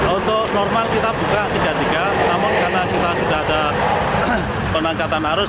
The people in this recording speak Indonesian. untuk normal kita buka tiga puluh tiga namun karena kita sudah ada penangkatan arus